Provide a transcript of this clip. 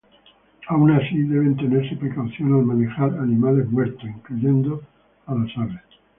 Aun así, deben tenerse precaución al manejar animales muertos, incluyendo a las aves.